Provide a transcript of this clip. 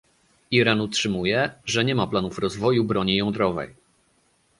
Iran utrzymuje, że nie ma planów rozwoju broni jądrowej